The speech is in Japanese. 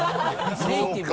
ネーティブ。